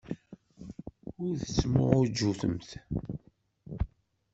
Ur tettemɛujjutem.